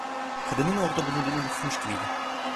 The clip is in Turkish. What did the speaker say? Kadının orada bulunduğunu unutmuş gibiydi.